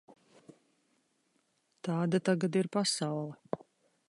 Tāda tagad ir pasaule.